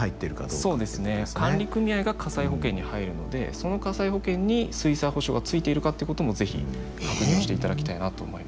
そうですね管理組合が火災保険に入るのでその火災保険に水災補償がついているかってことも是非確認をしていただきたいなと思います。